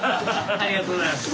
ありがとうございます。